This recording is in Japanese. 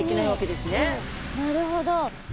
なるほど。